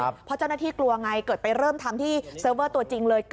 เพราะเจ้าหน้าที่กลัวไงเกิดไปเริ่มทำที่เซิร์ฟเวอร์ตัวจริงเลย